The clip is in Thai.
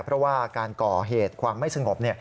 เพราะว่าการก่อเหตุความไม่สงบ